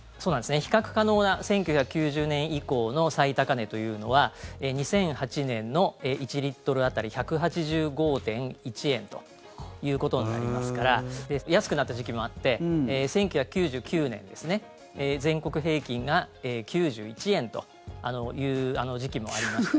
比較可能な１９９０年以降の最高値というのは２００８年の１リットル当たり１８５．１円ということになりますから安くなった時期もあって１９９９年全国平均が９１円という時期もありましたから。